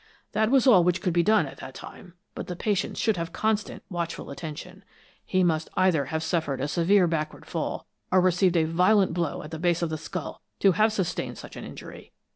That was all which could be done at that time, but the patient should have constant, watchful attention. He must either have suffered a severe backward fall, or received a violent blow at the base of the skull, to have sustained such an injury.